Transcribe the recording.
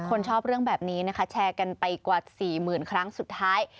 คนชอบเรื่องแบบนี้นะคะแชร์กันไปกว่าสี่หมื่นครั้งสุดท้าย